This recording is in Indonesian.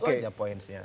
itu aja poinnya